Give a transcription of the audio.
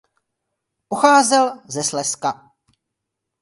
Pocházel ze Slezska.